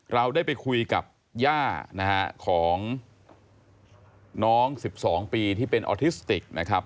เราได้ไปคุยกับย่านะฮะของน้อง๑๒ปีที่เป็นออทิสติกนะครับ